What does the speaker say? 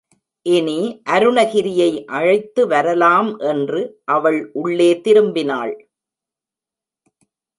இனி அருணகிரியை அழைத்து வரலாம் என்று அவள் உள்ளே திரும்பினாள்.